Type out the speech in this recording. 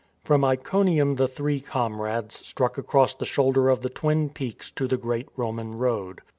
From Iconium the three comrades struck across the shoulder of the Twin Peaks to the great Roman road.